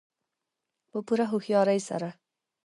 په پوره هوښیارۍ سره.